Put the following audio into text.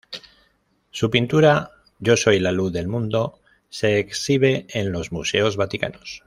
Su pintura "Yo soy la Luz del Mundo" se exhibe en los Museos Vaticanos.